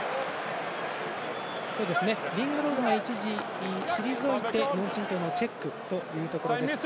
リングローズがいったん退いて脳震とうのチェックということです。